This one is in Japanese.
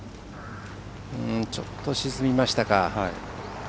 ちょっと沈みましたか。